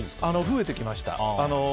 増えてきました。